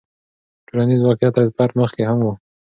ټولنیز واقعیت تر فرد مخکې هم و.